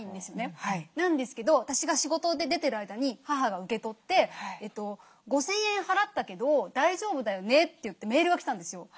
なんですけど私が仕事で出てる間に母が受け取って「５，０００円払ったけど大丈夫だよね？」といってメールが来たんですよ。